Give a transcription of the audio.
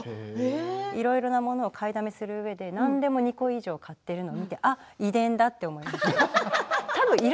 いろいろなものを買いだめするうちで２個買ってるのを見て遺伝だと思いました。